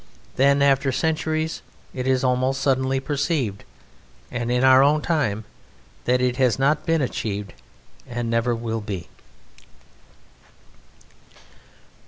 Then, after centuries, it is almost suddenly perceived and in our own time that it has not been achieved and never will be.